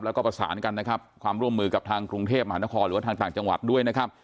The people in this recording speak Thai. แล้วก็ประสานกันนะครับความร่วมมือกับทางกรุงเทพมหานครหรือว่าทางต่างจังหวัดด้วยนะครับ